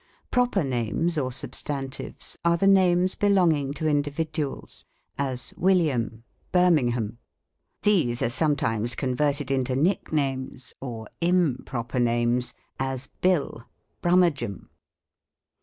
Proper names, or substantives, are the names be longing to individuals : as William, Birmingham. These are sometimes converted into nicknames, or improper names : as Bill, Brummagem.